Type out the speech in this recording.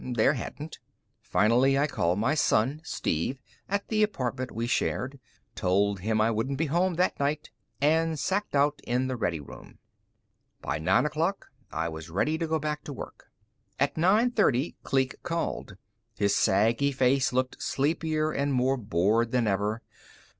There hadn't. Finally, I called my son, Steve, at the apartment we shared, told him I wouldn't be home that night, and sacked out in the ready room. By nine o'clock, I was ready to go back to work. At nine thirty, Kleek called. His saggy face looked sleepier and more bored than ever.